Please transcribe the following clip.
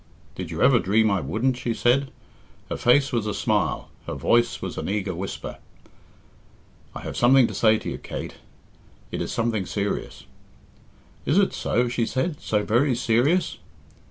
"Did you ever dream I wouldn't?" she said. Her face was a smile, her voice was an eager whisper. "I have something to say to you, Kate it is something serious." "Is it so?" she said. "So very serious?"